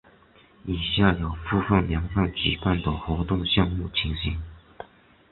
以下有部分年份举办的活动项目情形。